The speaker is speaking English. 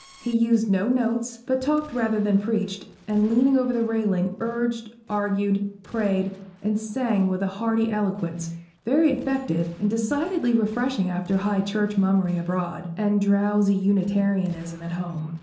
He used no notes, but talked rather than preached; and leaning over the railing, urged, argued, prayed, and sang with a hearty eloquence, very effective, and decidedly refreshing after High Church mummery abroad, and drowsy Unitarianism at home.